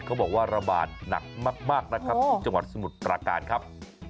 เขาบอกว่าระบาดหนักมากนะครับที่จังหวัดสมุทรปราการครับ